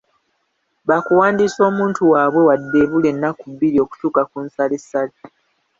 Bakuwandiisa omuntu waabwe wadde ebula ennaku bbiri okutuuka ku nsalessale,